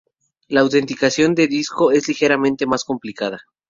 La autenticación de disco es ligeramente más complicada.